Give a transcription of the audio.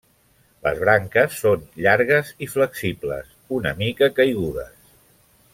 Les branques són llargues i flexibles, una mica caigudes.